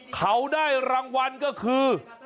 เขาได้รางวัลก็คือ